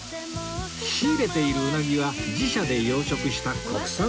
仕入れているうなぎは自社で養殖した国産のうなぎ